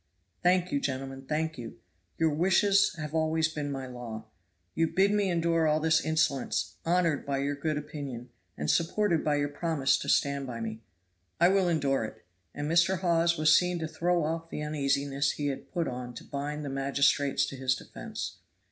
"Thank you, gentlemen, thank you. Your wishes have always been my law. You bid me endure all this insolence; honored by your good opinion, and supported by your promise to stand by me, I will endure it." And Mr. Hawes was seen to throw off the uneasiness he had put on to bind the magistrates to his defense.